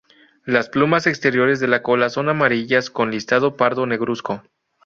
Las plumas exteriores de la cola son amarillas con listado pardo negruzco.